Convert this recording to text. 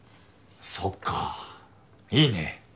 そっかいいね。